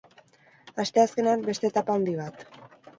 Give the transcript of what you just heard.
Asteazkenean, beste etapa handi bat.